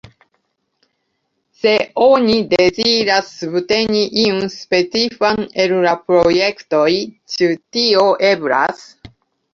Se oni deziras subteni iun specifan el la projektoj, ĉu tio eblas?